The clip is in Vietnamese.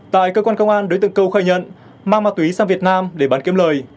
tại cơ quan công an đối tượng câu khai nhận mang ma túy sang việt nam để bán kiếm lời